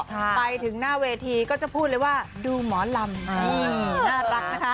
ไปถึงหน้าเวทีก็จะพูดเลยว่าดูหมอลำนี่น่ารักนะคะ